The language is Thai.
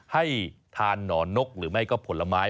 ให้ทานหนอนนกหรือไม่ก็ผลไม้